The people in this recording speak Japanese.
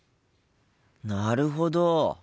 なるほど！